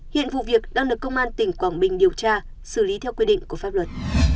hiện vụ việc đang được công an tỉnh quảng bình điều tra xử lý theo quy định của pháp luật